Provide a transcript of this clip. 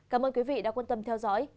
cảm ơn quý vị đã quan tâm theo dõi